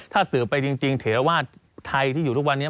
ถ้าสืบไปจริงถือว่าไทยที่อยู่ทุกวันนี้